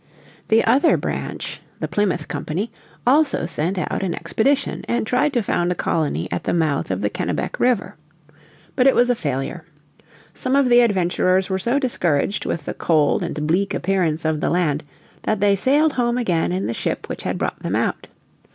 The other branch the Plymouth Company also sent out an, expedition, and tried to found a colony at the mouth of the Kennebec River. But it was a failure. Some of the adventurers were so discouraged with the cold and bleak appearance of the land that they sailed home again in the ship which had brought them out.